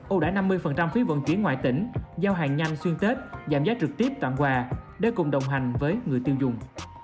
ủ đã năm mươi phí vận chuyển ngoại tỉnh giao hàng nhanh xuyên tết giảm giá trực tiếp tạm quà để cùng đồng hành với người tiêu dùng